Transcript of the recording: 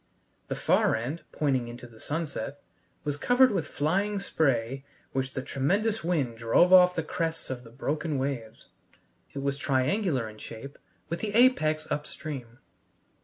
The far end, pointing into the sunset, was covered with flying spray which the tremendous wind drove off the crests of the broken waves. It was triangular in shape, with the apex upstream.